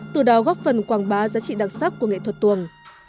từ đó góp phần quảng bá giá trị đặc sắc của nghệ thuật tuồng